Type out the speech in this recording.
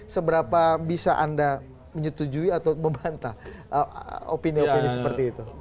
seberapa bisa anda menyetujui atau membantah opini opini seperti itu